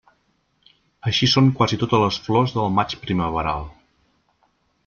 Així són quasi totes les flors del maig primaveral.